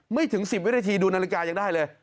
ไม่ถึง๑๐วินาทีดูนาฬิกายังได้เลย